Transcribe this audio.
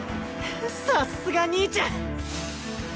さすが兄ちゃん！